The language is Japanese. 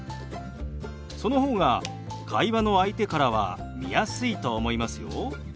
その方が会話の相手からは見やすいと思いますよ。